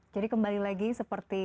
jadi kembali lagi seperti